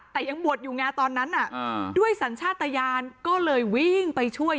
แต่ยังบวชอยู่ไงตอนนั้นด้วยสัญชาติยานก็เลยวิ่งไปช่วย